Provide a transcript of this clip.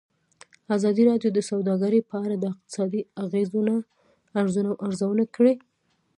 ازادي راډیو د سوداګري په اړه د اقتصادي اغېزو ارزونه کړې.